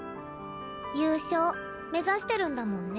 優勝目指してるんだもんね。